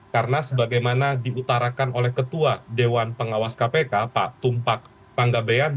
karena sebagaimana diutarakan oleh ketua dewan pengawas kpk pak tumpak panggabean